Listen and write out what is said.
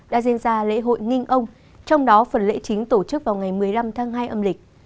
đã diễn ra lễ hội ninh ông trong đó phần lễ chính tổ chức vào ngày một mươi năm tháng hai âm lịch